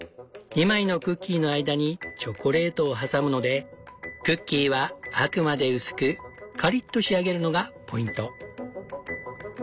２枚のクッキーの間にチョコレートを挟むのでクッキーはあくまで薄くカリッと仕上げるのがポイント。